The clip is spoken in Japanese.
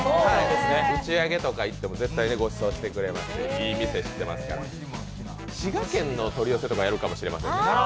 打ち上げとか行っても絶対にごちそうしてくれますし、いい店知ってますから、滋賀県の取り寄せとかやるかもしれませんね。